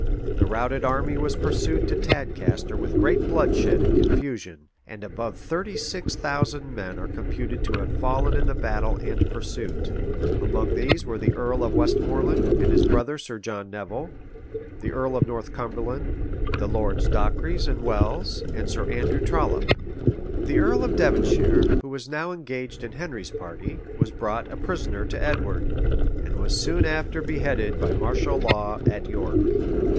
[] The routed army was pursued to Tadcaster with great bloodshed and confusion; and above thirty six thousand men are computed to have fallen in the battle and pursuit:[] among these were the earl of Westmoreland, and his brother Sir John Nevil, the earl of Northumberland, the Lords Dacres and Welles, and Sir Andrew Trollop.[] The earl of Devonshire, who was now engaged in Henry's party, was brought a prisoner to Edward; and was soon after beheaded by martial law at York.